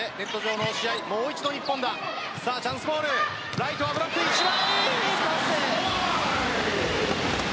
ライトはブロック１枚。